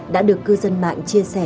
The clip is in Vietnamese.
đã được cư dân mạng chia sẻ